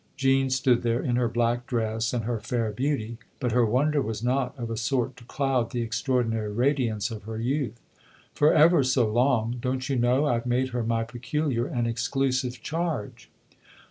Jean stood there in her black dress and her fair beauty ; but her wonder was not of a sort to cloud the extraordinary radiance of her youth. " For ever so long. Don't you know I've made her my peculiar and exclusive charge